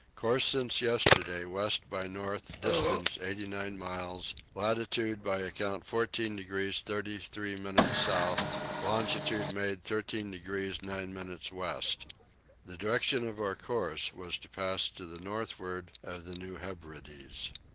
Course since yesterday west by north distance 89 miles; latitude by account 14 degrees 33 minutes south; longitude made 13 degrees 9 minutes west. The direction of our course was to pass to the northward of the New Hebrides.